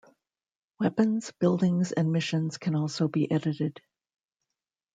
Weapons, buildings and missions can also be edited.